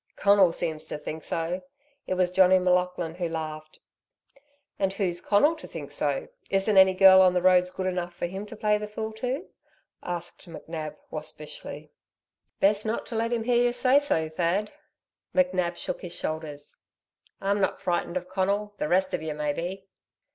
"Conal seems to think so." It was Johnnie M'Laughlin who laughed. "And who's Conal to think so? Isn't any girl on the roads good enough for him to play the fool to?" asked McNab, waspishly. "Best not let him hear you say so, Thad." McNab shook his shoulders. "I'm not frightened of Conal. The rest of ye may be."